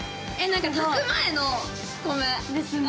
何か炊く前の米。ですね。